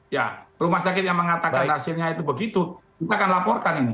ya rumah sakit yang mengatakan hasilnya itu begitu kita akan laporkan ini